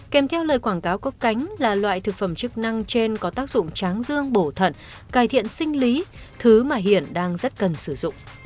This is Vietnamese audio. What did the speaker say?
kèm theo lời quảng cáo có cánh là loại thực phẩm chức năng trên có tác dụng tráng dương bổ thận cải thiện sinh lý thứ mà hiện đang rất cần sử dụng